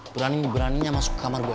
berani beraninya masuk ke kamar gue